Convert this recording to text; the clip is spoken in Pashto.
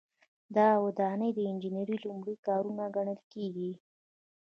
دا ودانۍ د انجنیری لومړني کارونه ګڼل کیږي.